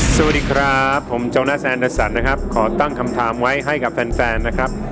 สวัสดีครับผมโจนาแซนเดอร์สันนะครับขอตั้งคำถามไว้ให้กับแฟนแฟนนะครับ